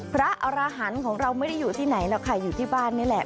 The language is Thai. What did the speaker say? พระอรหันต์ของเราไม่ได้อยู่ที่ไหนแล้วค่ะอยู่ที่บ้านนี่แหละ